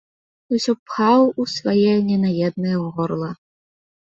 І ўсё пхаў у сваё ненаеднае горла.